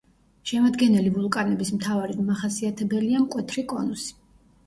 შემადგენელი ვულკანების მთავარი მახასიათებელია მკვეთრი კონუსი.